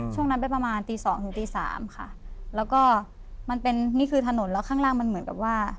ช่วงนั้นไปประมาณตีสองถึงตีสามค่ะแล้วก็มันเป็นนี่คือถนนแล้วข้างล่างมันเหมือนกับว่า